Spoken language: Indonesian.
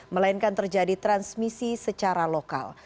melainkan terjadi transmisi secara lokal